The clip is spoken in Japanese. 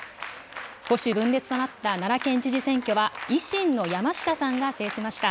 保守分裂となった奈良県知事選挙は、維新の山下さんが制しました。